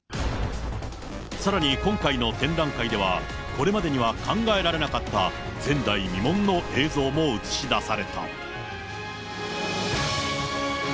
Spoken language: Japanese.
さらに今回の展覧会では、これまでには考えられなかった、前代未聞の映像も映し出された。